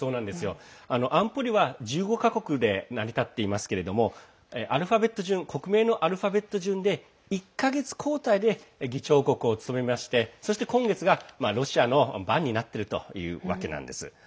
安保理は１５か国で成り立っていますけども国名のアルファベット順で１か月交代で議長国を務めましてそして、今月がロシアの番になっているというわけなんです。